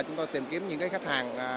chúng tôi tìm kiếm những khách hàng